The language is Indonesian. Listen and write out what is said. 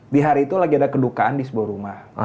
di hari itu lagi ada kedukaan di sebuah rumah